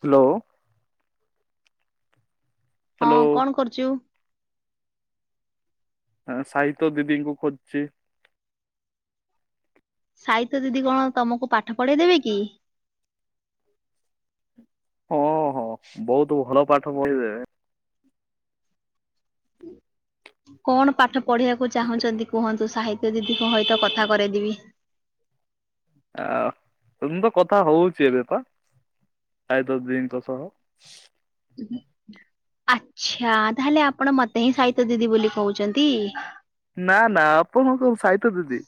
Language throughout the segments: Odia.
ହ୍ୟାଲୋ? ହ୍ୟାଲୋ ହଁ କଣ କରୁଛୁ? ସାହିତ ଦିଦିଙ୍କୁ ଖୋଜଛି। ସାହିତ୍ୟ ଦିଦି କଣ ତମକୁ ପାଠ ପଢେଇ ଦେବେ କି? ହଁ ହଁ ବହୁତ ଭଲ ପାଠ ପଢିଦେବେ। କଣ ପାଠ ପଢିବାକୁ ଚାହୁଁଛନ୍ତି କୁହନ୍ତୁ? ସାହି ଦିଦି କ ହୈତ କଥା କରେଇଦେବି। ଆ ସେମି ତ କଥା ହଉଛି ଏବେ ପା ସାହିତ୍ୟ ଦୀଙ୍କ ସହ। [inaudible] ଆଚ୍ଛା ତାହେଲେ ଆପଣ ମତେ ହିଁ ସାହିତ୍ୟ ଦିଦି ବୋଲି କହୁଛନ୍ତି? ନା ନା ଆପଣ କଣ ସାହିତ୍ୟ ଦିଦି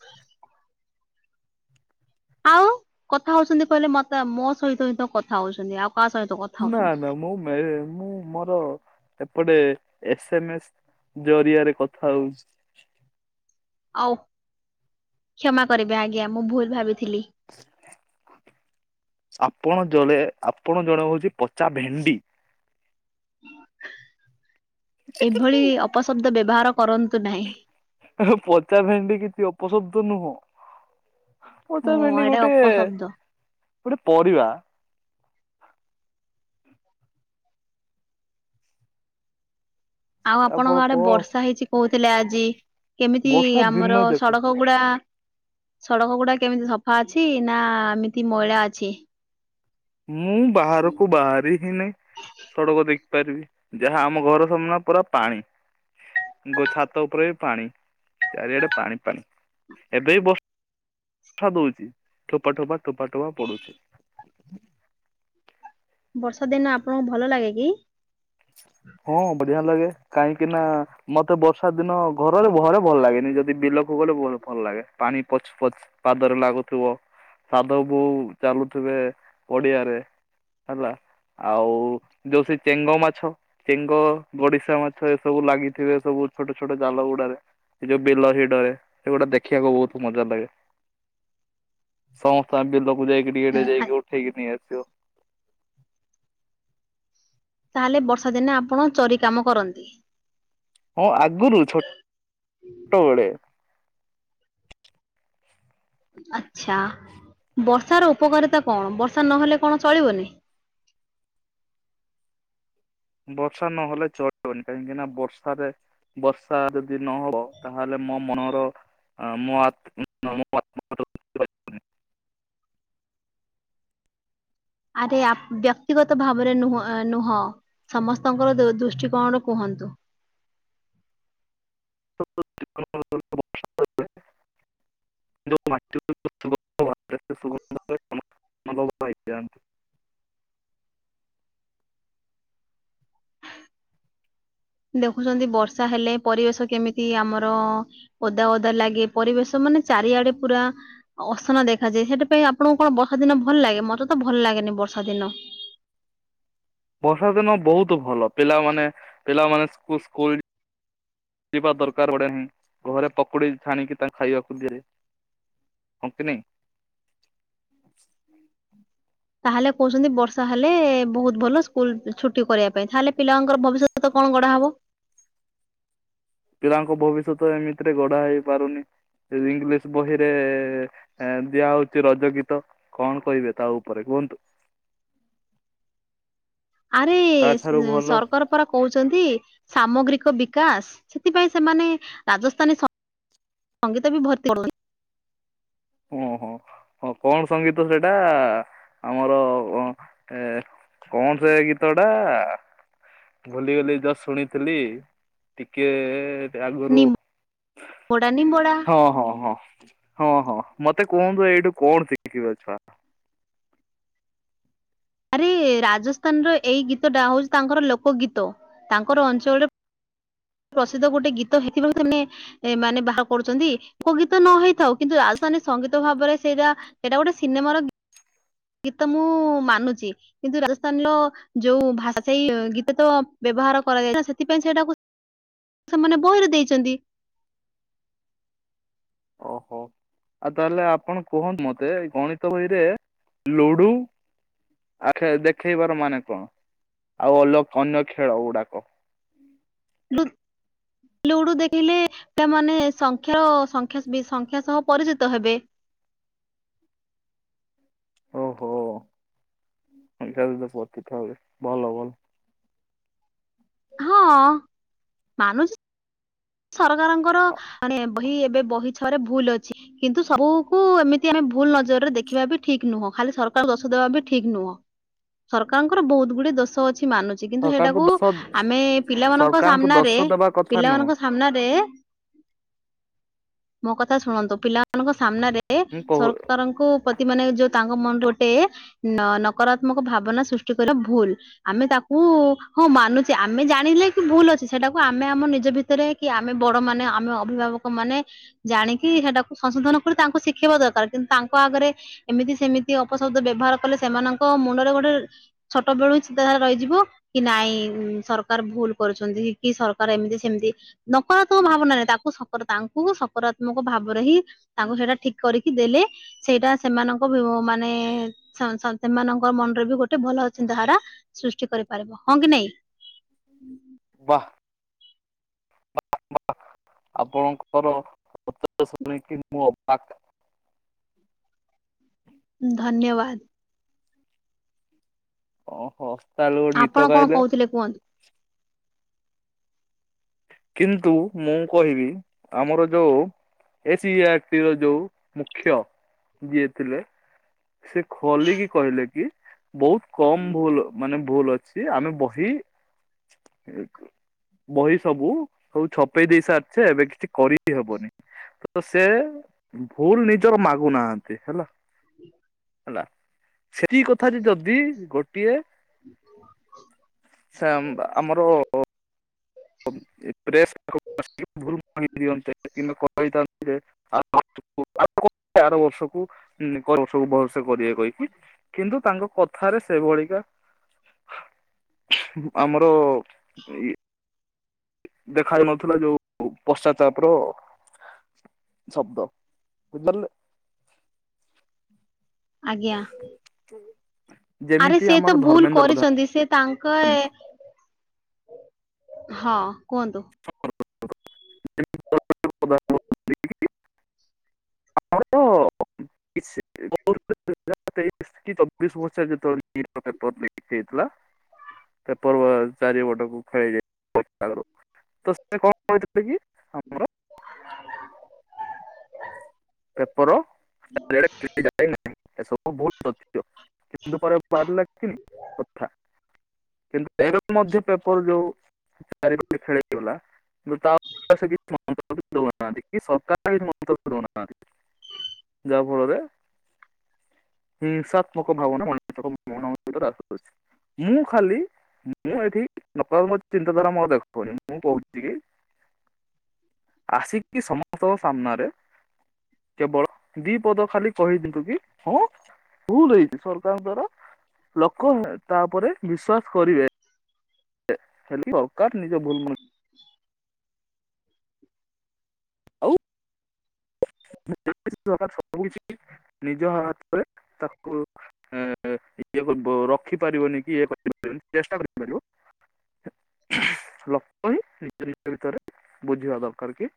ଆଉ କଥା ହଉଛନ୍ତି କହିଲେ ମତେ ମୋ ସହିତ ହିତ କଥା ହଉଛନ୍ତି ଆଉ କାହା ସହିତ କଥା ନା ହଉଛନ୍ତି ନା ମୁଁ ମେ ମୁଁ ମୋର ସେପଟେ ଏସ ଏମ ଏସ୍ ଜରିଆରେ କଥା ହଉଛି। ଅଉ କ୍ଷମା କରିବେ ଆଜ୍ଞା ମୁଁ ଭୁଲ ଭାବିଥିଲି। ଆପ୍-ଆପଣ ଜଳେ ଆପଣ ଜଣେ ହେଉଛି ପଚା ଭେଣ୍ଡି। ଏଭଳି ଅପଶବ୍ଦ ବ୍ୟବହାର କରନ୍ତୁ ନାହିଁ। ପଚା ଭେଣ୍ଡି କିଛି ଅପଶବ୍ଦ ନୁହଁ। ହଁ ପଚା ଭେଣ୍ଡି ଏଇଟା ଗୋଟେ ଅପଶବ୍ଦ ଗୋଟେ ପରିବା। ଆଉ ଆପଣ ଆପଣଙ୍କ ଆଡେ କଣ ବର୍ଷା ହେଇଛି କହୁଥିଲେ ଆଜି। କେମିତି ବର୍ଷା ଦିନ ଆମର ଯାକ ସଡକ ଗୁଡା ସଡ଼କ ଗୁଡା କେମିତି ସଫା ଅଛି? ନା ଏମିତି ମଇଳା ଅଛି। ମୁଁ ବାହାରକୁ ବାହାରି ହି ନି ସଡ଼କ ଦେ ପାରିବି ଯାହା ଆମ ଘର ସାମ୍ନା ପୁରା ପାଣି। ଗଛାତ ଉପରେ ବି ପାଣି ଚାରିଆଡେ ପାଣି ପାଣି ଏବେ ବି ବସ ଠା ଦଉଛି ଠୋପା ଠୋପା ଟୋପା ଟୋପା ପଡୁଛି। ବର୍ଷା ଦିନ ଆପଣଙ୍କୁ ଭଲ ଲାଗେ କି? ହଁ ବଢିଆ ଲାଗେ। କାହିଁକି ନା ମତେ ବର୍ଷା ଦିନ ଘରରେ ଘରେ ଭଲ ଲାଗେନି ଯଦି ବିଲକୁ ଗଲେ ଭ- ଭଲ ଲାଗେ। ପାଣି ପଚ୍ ପଚ୍ ପାଦରେ ଲାଗୁଥିବ। ସାଧବ୍ ବୋଉ ଚାଲୁଥିବେ ପଡିଆରେ। ହେଲା ଆଉ ଯୋ ସେ ଚେଙ୍ଗମା ଛ ଚେଙ୍ଗ ଗଡିଶା ମାଛ ଏ ସବୁ ଲାଗିଥିବେ ସବୁ ଛୋଟ ଛୋଟ ଜାଲ ଗୁଡାରେ। ସେ ଯୋଉ ବିଲ ହେଇ ଡରେ ସେଗୁଡା ଦେଖିବାକୁ ବହୁତ ମଜା ଲାଗେ। ସମସ୍ତେ ବିଲକୁ ଯାଇକି ଟିକେ ଟେ ଯାଇକି ଉଠେଇକି ନେଇ ଆସିବ। ତାହେଲେ ବର୍ଷା ଦିନେ ଆପଣ ଚରି କାମ କରନ୍ତି। ହଁ ଆଗରୁଛୋ ଛୋଟବେଳେ। ଆଚ୍ଛା। ବର୍ଷା ର ଉପକାରିତା କଣ ବର୍ଷା ନହେଲେ କଣ ଚଳିବନି? [inaudible] ବର୍ଷା ନହେଲେ ଚଳିବନି କାହିଁକି ନା ବର୍ଷରେ ବର୍ଷା ଯଦି ନହବ ତାହେଲେ ମୋ ମନର ଆ [unintelligible] ଆରେ ଆ ବ୍ୟକ୍ତିଗତ ଭାବରେ ନୁହ ନୁହଁ ସମସ୍ତଙ୍କର ଦୃ-ଦୃଷ୍ଟିକୋଣରୁ କୁହନ୍ତୁ। [unintelligible] [unintelligible] ଭାଇଯାନ। ଦେଖୁଛନ୍ତି ବର୍ଷା ହେଲେ ପରିବେଶ କେମିତି ଆମର ଓଦା ଓଦା ଲାଗେ। ପରିବେଶ ମାନେ ଚାରିଆଡେ ପୁରା ଅସନା ଦେଖାଯାଏ। ସେଥିପାଇଁ ଆପଣଙ୍କୁ କଣ ବର୍ଷା ଦିନ ଭଲ ଲାଗେ ମତେ ତ ଭଲ ଲାଗେନି। ବର୍ଷା ଦିନ। ହ ବର୍ଷା ଦିନ ବହୁତ ଭଲ ପିଲାମାନେ ପିଲାମାନେ ସ୍କୁ-ସ୍କୁଲ ପିବା ଦରକାର ପଡ଼େ ନାହିଁ ଘରେ ପକୁଡ଼ି ଛାଣିକି ତାଙ୍କୁ ଖାଇବାକୁ ଦିଏ। ହଁ କି ନାଇଁ? ତାହେଲେ କହୁଛନ୍ତି ବର୍ଷା ହେଲେ ବହୁତ ଭଲ ସ୍କୁଲ ଛୁଟି କରିବା ପାଇଁ ତାହେଲେ ପିଲାଙ୍କର ଭବିଷ୍ୟତ କଣ? ପଡା ହବ। ପିଲାଙ୍କ ଭବିଷ୍ୟତ ଏମିତିରେ ଗଢା ହେଇ ପାରୁନି। ଇଂଲିଶ ବହିରେ ଏ ଦିଆ ହଉଛି ରଜ ଗୀତ କଣ କହିବେ ତା ଉପରେ କୁହନ୍ତୁ? [inaudible] ଆରେ ତା ଠାରୁ ଏ ଭଲ ସରକାର ପରା କହୁଛନ୍ତି ସାମଗ୍ରୀକ ବିକ ବିକାଶ ସେଥିପାଇଁ ସେମାନେ ରାଜସ୍ଥାନୀ ସ ସଙ୍ଗୀତ ବି ଭର୍ତ୍ତି ଓ ହୋ ହଁ କଣ ସଙ୍ଗୀତ ସେଇଟା ଆମର ଅ ଏ କଣ ସେ ଗୀତଟା। ଭୁଲି ଗଲି ଜା ଶୁଣିଥିଲି ଟିକେ ସେ ଆଗରୁ ନିମ୍ବଡା ନିମ୍ବଡା ହଁ ହଁ ହଁ। ହଁ ହଁ ମତେ କୁହନ୍ତୁ ଏଇଠୁ କଣ ଶିଖିବ ଛୁଆ? ଆରେ ରାଜସ୍ଥାନର ଏଇ ଗୀତଟା ହଉଛି ତାଙ୍କର ଲୋକ ଗୀତ। ତାଙ୍କର ଅଞ୍ଚଳରେ ପ୍ରସିଦ୍ଧ ଗୋଟେ ଗୀତ ହେଇଥିବା ସେ ମାନେ ବାହାର କରୁଛନ୍ତି କୋଉ ଗୀତ ନ ହେଇଥାଉ କିନ୍ତୁ ତା ସଙ୍ଗୀତ ଭାବରେ ସେଇଟା ସେଇଟା ଗୋଟେ ସିନେମାର ଗୀତ ମୁଁ ମାନୁଛି କିନ୍ତୁ ରାଜସ୍ଥାନୀର ଯୋଉ ଭାଷା ସେଇ ଗୀତ ତ ବେ ବ୍ୟବହାର କରାଯାଇଛି ସେଥିପାଇଁ ସେଇଟାକୁ ସେମାନେ ବହିରେ ଦେଇଛନ୍ତି। ଓହୋ। ଆଉ ତାହେଲେ ଆପଣ କୁହନ୍ତୁ ମତେ ଗଣିତ ବହିରେ ଲୁଡୁ ଆଖ ଦେଖେଇବାର ମାନେ କଣ? ଆଉ ଅଲ ଅନ୍ୟ ଖେଳ ଗୁଡାକ। ଲୁ ଲୁଡୁ ଦେଖିଲେ ପିଲାମାନେ ସଂଖ୍ୟା ଓ ସଂଖ୍ୟା ବି ସଂଖ୍ୟା ସହ ପରିଚିତ ହେବେ। ଓହୋ। [unintelligible] ଭଲ ଭଲ। ହଁ ମାନୁଚି ସରକାରଙ୍କର ମାନେ ବହି ଏବେ ବହି ଛଆରେ ଭୁଲ ଅଛି କିନ୍ତୁ ସବୁକୁ ଏମିତି ଆମେ ଭୁଲ ନଜରରେ ଦେଖିବା ବି ଠିକ ନୁହଁ। ଖାଲି ସରକାର ଦୋଷ ଦେବା ବି ଠିକ୍ ନୁହଁ। ସରକାରଙ୍କର ବହୁତ ଗୁଡେ ଦୋଷ ଅ ଅଛି ମାନୁଛି କିନ୍ତୁ ସରକାରଙ୍କୁ ସେଟାକୁ ଦୋଷ ଆମେ ପିଲାମାନଙ୍କ ସରକାରଙ୍କୁ ଦୋଷ ସାମ୍ନାରେ ଦେବା କଥା ନୁହଁ। ପିଲାମାନଙ୍କ ମୋ କଥା ଶୁଣନ୍ତୁ ପିଲାମାନଙ୍କ ସାମ୍ନ ାରେ ମୁଁ କହୁ ସରକାରଙ୍କୁ ପ୍ରତି ମାନେ ଯୋଉ ତାଙ୍କ ଗୋଟେ ନତ୍ମକ ଭାବନା ସୃଷ୍ଟି କରିବା ଭୁଲ ଆମେ ତାକୁ ମାନୁଛି ଆମେ ଜାଣିଲେ କି ଭୁଲ ଅଛି ସେଟାକୁ ଆମେ ଆମ ନିଜ ଭିତ ଭିତ କି ଆମେ ବଡ ମାନେ ଆମେ ଅଭିଭାବକ ମାନେ ଜାଣିକି ସେଟାକୁ ସଂଶୋଧନ କରି ତାଙ୍କୁ ଶିକ୍ଷେଇବା ଦରକାର। କିନ୍ତୁ ତାଙ୍କ ଆଗରେ ଏମିତି ସେମିତି ଅପସବ୍ଦ ବ୍ୟବହାର କଲେ ସେମାନଙ୍କ ମୁଣ୍ଡରେ ଗୋଟେ ଛୋଟବେଳୁ ଚିନ୍ତାଧାର ରହିଯିବ କିନାଇଁ ସରକାର ଭୁଲ କରୁଛନ୍ତି କି ସରକାର ଏମିତି ସେମିତି। ନକାତ୍ମକ ଭାବ ନ ନହିଁ ତାକୁ ସ ତାଙ୍କୁ ସକାରାତ୍ମକ ଭାବରେ ହିଁ ତାଙ୍କୁ ସେଇଟା ଠିକ କରିକି। ଦେଲେ ସେଇଟା ସେମାନଙ୍କ ମାନେ ସେମାନଙ୍କ ମନରେ ବି ଗୋଟେ ଭଲ ଚିନ୍ତା। ଧାରା ସୃଷ୍ଟି କରିପାରିବ ହଁ କି ନାଇଁ। ବାା ବା ଆପଣଙ୍କର ଉତ୍ତର ଶୁଣିକି ମୁଁ ଅବାକ୍। ଧନ୍ୟବାଦ। ଓସ୍ତା ହେଲେ ଗୋଟେ ଆପଣ ଗୀତ କଣ ଗାଇଲେ। କହୁଥିଲେ କୁହନ୍ତୁ କିନ୍ତୁ ମୁଁ କହିବି ଆମର ଯୋଉ ଏ ସ ର ଯୋଉ ମୁଖ୍ୟ ଯିଏ ଥିଲେ। ସେ ଖୋଲିକି କହିଲେ କି। ବହୁତ କମ ଭୁଲ ମାନେ ଭୁଲ ଅଛି ଆମେ ବହି ବହି ସବୁ ହଉ ଛପେଇ ଦେଇ ସାରିଛେ ଏବେ କିଛି କରି ହବନି। ତ ସେ ଭୁଲ ନିଜର ମାଗୁନାହାନ୍ତି ହେଲା। ହେଲା ସେଠି କଥା ଯେ ଯଦି ଗୋଟିଏ ସେ ଆମର ଏପସ୍ ଭୁଲ ଦିଅନ୍ତେ [unintelligible] ଆର ବର୍ଷକୁ ବର୍ଷକୁ ଭସେ କରିବେ କହିକି କିନ୍ତୁ ତାଙ୍କ କଥାରେ ସେ ଭଳିିକା ଆମର ଇ ଦେଖାଯ ନଥିଲା ଯୋଉ ପଶ୍ଚାତାପ ର ଶବ୍ଦ ବୁଝିପାରିଲ। ଆଜ୍ଞା ଆରେ ଯେମିତି ସେି ଆମର ତ ଭୁଲ ଧର୍ମେନ୍ଦ୍ର ପ୍ରଧାନ କରିଛନ୍ତି ସେ ତାଙ୍କ ହଁ କୁହନ୍ତୁ। ତେଇଶ କି ଚବିଶ ବସି ଯେବେଳେ ହେଇଥିଲା [unintelligible] ତା ପର୍ବ ଚାରିପଟକୁ ଖେଳେଇଯାଇ। ତ ସେ କଣ କହିଥିଲେ କି ଆମର [unintelligible] ପେପର [unintelligible] ଏସବୁ ଭହୁଲ ଅ କିନ୍ତୁ ପରେ ବାହାରିଲା କିନି କଥା କିନ୍ତୁ ଏବେ ମଧ୍ୟ ପେପର ଯୋଉ ଚାରି ଖେଳିଗଲା କିନ୍ତୁ ତା କିଛି ମନ୍ତବ୍ୟ ଦେଉନାନ୍ତି ସରକାର କିଛି ମନ୍ତବ୍ୟ ଦେଉନା। ଯାହା ଫଳରେ ହିଂସତ୍ମକ ଭାବନାଛି ମୁଁ ଖାଲି ମୁଁ ଏଠି ନକାରାତ୍ମକ ଚିନ୍ତାଧାରା ମୋର ଦେଖାଉନି ମୁଁ କହୁଛି କି ଆସିକି ସମସ୍ତଙ୍କ ସାମ୍ନାରେ କେବଳ ଦି ପଦ ଖାଲି କହିବି ଦିଦି ହଁ ଭୁଲ୍ ହେଇଛି ସରକାର ଦାର ଲୋକ ତା ଉପରେ ବିଶ୍ଵାସ କରିବେ। ହେ ସରକାର ନିଜ ଭୁଲ ମ ଆଉ। ସବୁ କିଛି ଦରକାର ସବୁ କିଛି ନିଜ ହାତରେ ତାକୁ ଇଏ କର ରଖିପାରିବନି କି ଇଏ କରିପାରିବନି ଚେଷ୍ଟା କରିପାରିବ। ଲୋକ ହିଁ ନିଜ ନିଜ ଭିତରେ ବୁଝିବା ଦରକାର କି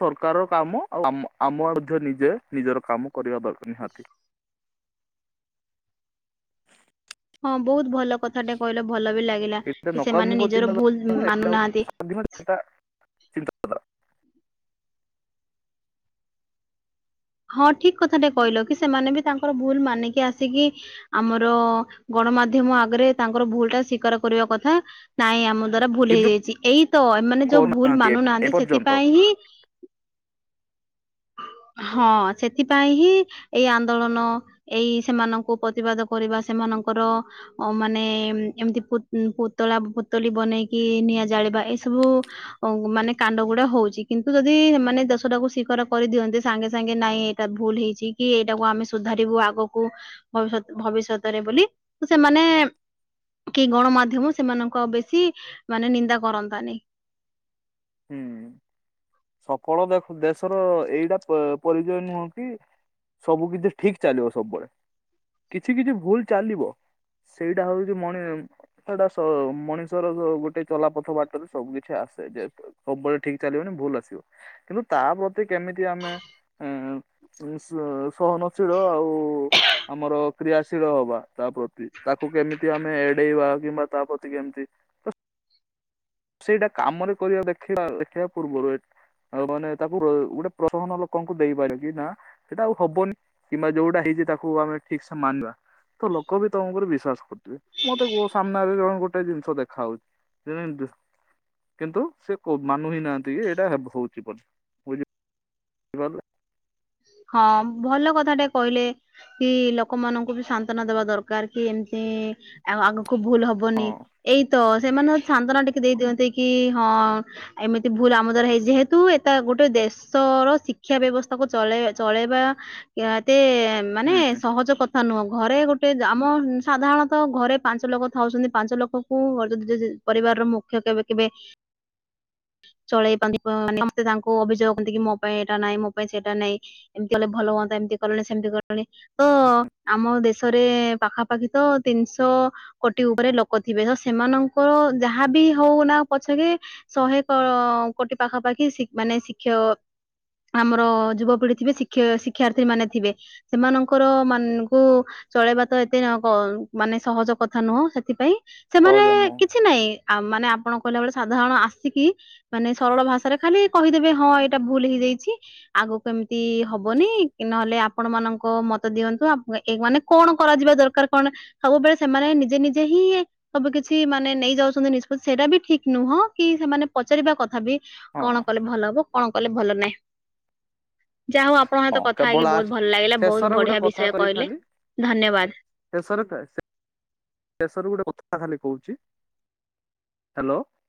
ସରକାର ର କାମ ଆଉ ଆମ ଆମ ମଧ୍ୟ ନିଜେ ନିଜର କାମ କରିବା ଦରକାର ନିହାତି। ହଁ ବହୁତ ଭଲ କଥାଟା କହିଲେ ଭଲ ବି ଲାଗିଲା ଏଇଟା କି ସେମାନେ ନିଜର ଭୁଲ ମାନୁନାହାନ୍ତି। ଗୋଟେ ଯିବା ଚିନ୍ତା କର। ହଁ ଠିକ୍ କଥା ଟେ କହିଲ କି ସେମାନେ ବି ତାଙ୍କର ଭୁଲ ମାନିକି ଆସିକି ଆମର ଗଣମାଧ୍ୟମ ଆଗରେ ତାଙ୍କର ଭୁଲ ଟା ସ୍ବୀଉକାର କରିବା କଥା ନାଇଁ ଆମ ଦ୍ଵାରା ଭୁଲ କିନ୍ତୁ ହେଇଯାଇଛି ଏଇ ତ ଏମାନେ ଯୋଉ ଭୁଲ କରୁନାହାନ୍ତି ଏ ମାନୁନାହାନ୍ତି ଏପର୍ଯ୍ୟନ୍ତ ସେଥିପାଇଁ ହିଁ ହଁ ସେଥିପାଇଁ ହିଁ ଏଇ ଆନ୍ଦୋଳନ ଏଇ ସେମାନଙ୍କୁ ପ୍ରତିବାଦ କରିବା ସେମାନ ଙ୍କର ମାନେ ଏମିତି ପୁତଳା ପୁତଳି ବନେଇକି ନିଆଁ ଜାଳିବା। ଏ ସବୁ ମାନେ କାଣ୍ଡ ଗୁଡ଼ା ହଉଛି କିନ୍ତୁ ଯଦି ମାନେ ଦେଶଟାକୁ ସ୍ୱୀକାର କରି ଦିଅନ୍ତି ସାଙ୍ଗେ ସାଙ୍ଗେ ନାଇଁ ଏଇଟା ଭୁଲ ହେଇଛି କି ଏଇଟାକୁ ଆମେ ସୁଧାରିବୁ ଆଗକୁ ଭବିଷ୍ୟତ ଭବି ଭବିଷ୍ୟତରେ ବୋଲି ତ ସେମାନେ କି ଗଣମାଧ୍ୟମ ସେମାନଙ୍କ ବେଶୀ ମାନେ ନିନ୍ଦା କରନ୍ତାନି। ହୁଁ ସ ଫଳ ଦେଖ ଦେଶର ଏଇଟା ପ ପରିଚୟ ନୁହଁ କି। ସବୁ କିଛି ଠିକ୍ ଚାଲିବ ସବୁବେଳେ କିଛି କିଛି ଭୁଲ ଚାଲିବ। ସେଇଟା ହଉଛି ମଣି ସେଟା ମଣିଷର ଗୋଟେ ଚଲାପଥ ବାଟରେ ସବୁ କିଛି ଆ ସେଇଯାଇଥିବ ସବୁବେଳେ ଠିକ୍‌ ଚାଲିବନି ଭୁଲ ଆସିବ କିନ୍ତୁ ତା ପ୍ରତି କେମିତି ଆମେ ଉଁ ଏ ସ୍ଲୋ ସହନଶୀଳ ଆଉ ଆମର କ୍ରିୟାଶୀଳ ହବା ତା ପ୍ରତି ତାକୁ କେମିତି ଆମେ ଏଡ଼େଇବା କିମ୍ବା ତା ପ୍ରତି କେମିତି ସେଇଟା କାମରେ କରିବା ଦେଖିବା ଦେଖେଇବା ପୂର୍ବରୁ ଆଉ ମାନେ ତାକୁ ଗୋ ଗୋଟେ ପ୍ରଶମନ ଲୋକଙ୍କୁ ଦେଇପାରେ କି ନା ସେଇଟା ଆଉ ହବନି କିମ୍ବା ଯୋଉଟା ହେଇ ଚି ତାକୁ ଆମେ ଠିକ୍‌ ସେ ମାନିବା। ତ ଲୋକ ବି ତମ ଉପରେ ବିଶ୍ଵାସ କରୁଥିବେ ମତେ କୁହ ସାମ୍ନାରେ କଣ ଗୋଟେ ଜିନିଷ ଦେଖା ହଉଛି। କେମିତି? କିନ୍ତୁ ସେ କ ମାନୁ ହିଁ ନାହାନ୍ତି ଯେ ଏଇଟା ହଉଛି ବୋଲି ବୁଝି ଗଲେ। ହଁ ଭଲ କଥା ଟେ କହିଲେ କି ଲୋକମାନଙ୍କୁ ବି ସାନ୍ତ୍ୱନା ଦେବା ଦରକାର କି ଏମତି ଆଉ ଆଗକୁ ଭୁଲ ହବନି ହଁ ଏଇତ ସେମାନେ ସାନ୍ଦନା ଟିକେ ଦେଇ ଦିଅନ୍ତି କି ହଁ। ଏମିତି ଭୁଲ ଆମ ଦାର ହେଇ ଯେହେତୁ ଏଟ ଗୋଟେ ଦେଶର ଶିକ୍ଷା ବ୍ୟବସ୍ଥା କୁ ଚେଳେଇବା ଚଳେଇବାତେ ମାନେ ହୁଁ ସହଜ କଥା ନୁହଁ। ଘରେ ଗୋଟେ ଆମ ସାଧାରଣତଃ ଘରେ ପାଞ୍ଚ ଲୋକ ଥାଉଛନ୍ତି ପାଞ୍ଚ ଲୋକ କୁ ଯ ଯ ପରିବା ର ମୁଖ୍ୟ କେବେ କେବେ ଚଳେଇ ପନ୍ତି ସମସ୍ତେ ତାଙ୍କୁ ଅଭିଯୋଗ କରନ୍ତି କି ମୋ ପାଇଁ ଏଇଟା ନାହିଁ ମୋ ପାଇଁ ସେଇ ଟା ନାଇଁ ଏମିତି କଲେ ଭଲ ହୁଅନ୍ତା ଏମିତି କଲେଣି ସେମତି କଲେଣି ତ ଆମ ଦେଶରେ ପାଖା ପାଖି ତ ତିନିଶହ କୋଟି ଉପରେ ଲୋକ ଥିବେ ତ ସେମାନଙ୍କର ଯାହାବି ହଉ ନା ପ ଛକେ ଶହେ କ କୋଟି ପାଖାପାଖି ଶି ମାନେ ଶିକ୍ଷ ଆମର ଯୁବପିଢ଼ି ଥିବେ ଶିକ୍ଷା ଶିକ୍ଷାର୍ଥୀ ମାନେ ଥିବେ ସେମାନଙ୍କର ମାନଙ୍କୁ ଚଳେଇବା ତ ଏତେ ବନ ମାନେ ସହଜ କଥା ନୁହଁ ସେଥିପାଇଁ ସେମାନେ ସହଜ ନୁହଁ କିଛି ନାଇଁ। ଆ ମାନେ ଆପଣ କହିଲା ବେଳେ ସାଧାରଣ ଆସିକି ମାନେ ସରଳ ଭାଷାରେ ଖାଲି କହିଦେବେ ହଁ ଏଇଟା ଭୁଲ ହେଇଯା କିଛି ଆଗକୁ ସେମିତି ହବନି। କି ନହେଲେ ଆପଣ ମାନଙ୍କ ମତ ଦିଅନ୍ତୁ ମାନେ କଣ କରାଯିବା ଦରକାର। କଣ ସବୁବେଳେ ସେମାନେ ନିଜେ ନିଜେ ହିଁ ସବୁ କିଛି ମାନେ ନେଇଯାଉଛନ୍ତି ନିଷ୍ପତ୍ତି ସେଇଟା ବି ଠିକ ନୁହଁ। ନୁହଁ କି ସେମାନେ ପଚାରିବା କଥା ବି ହଁ କଣ କଲେ ଭଲ ହବ କଣ କଲେ ଭଲ ନାହିଁ। ଯାହା ହଉ ଆପଣଙ୍କ ହଁ ସହିତ କଥା ହେଇକି କେବଳ ବହୁତ [unintelligible] ଭଲ ଲାଗିଲା ବହୁତ ଶେଷରେ ଗୋଟେ ବଢିଆ କଥା ବିଷୟ କହିଲେ କହିଥାନ୍ତି ଧନ୍ୟବାଦ। ଶେଷରେ [unintelligible] ଶେଷରେ ଗୋଟେ କଥା ଖାଲି କହୁଚି ହ୍ୟାଲୋ।